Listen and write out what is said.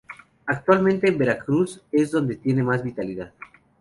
Actualmente en Veracruz es donde tiene más vitalidad.